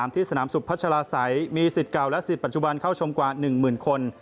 ที่สนามสุขพัชลาศัยมีสิทธิ์เก่าและสิทธิปัจจุบันเข้าชมกว่า๑๐๐๐คน